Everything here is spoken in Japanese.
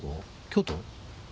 京都？